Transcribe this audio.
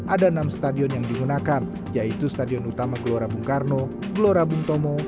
ada enam stadion yang digunakan yaitu stadion utama gelora bung karno gelora bung tomo